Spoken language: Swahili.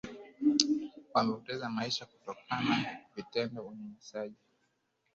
wamepoteza maisha kutokana vitendo unyanyasaji